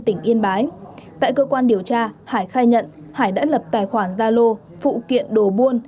tại cơ quan điều tra hải khai nhận hải đã lập tài khoản gia lô phụ kiện đồ buôn